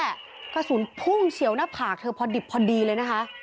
เท่านั้นแหละกระสุนพุ่งเฉียวหน้าผากเธอพอดิบพอดีเลยนะคะ